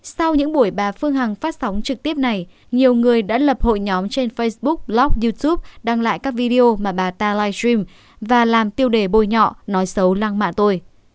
sau những buổi bà phương hằng phát sóng trực tiếp này nhiều người đã lập hội nhóm trên facebook blog youtube đăng lại các video mà bà ta livestream và làm tiêu đề bôi nhọ nói xấu lăng mạ tôi